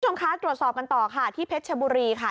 ตัวชมค้าตรวจสอบกันต่อค่ะที่เพชรชบุรีค่ะ